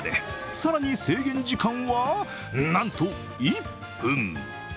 更に、制限時間はなんと１分。